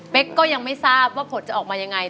ก็ยังไม่ทราบว่าผลจะออกมายังไง